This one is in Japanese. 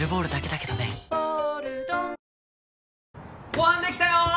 ご飯できたよー！